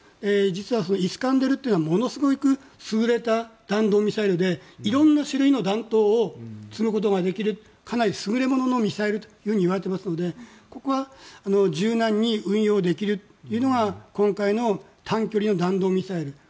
実は「イスカンダル」というのはものすごく優れた弾道ミサイルでいろんな種類の弾頭を積むことができるかなり優れもののミサイルだといわれていますのでここは柔軟に運用できるのが今回の短距離の弾道ミサイル。